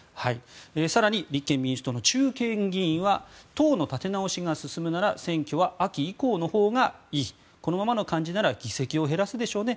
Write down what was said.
更に、立憲民主党の中堅議員は党の立て直しが進むなら選挙は秋以降のほうがいいこのままの感じなら議席を減らすでしょうね